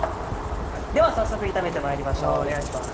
では早速炒めてまいりましょうお願いします。